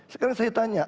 sekarang saya tanya